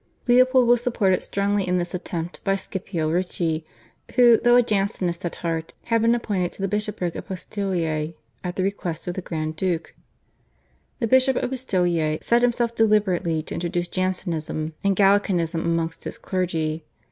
Leopold was supported strongly in this attempt by Scipio Ricci, who, though a Jansenist at heart, had been appointed to the Bishopric of Pistoia at the request of the Grand Duke. The Bishop of Pistoia set himself deliberately to introduce Jansenism and Gallicanism amongst his clergy.